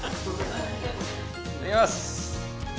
いただきます。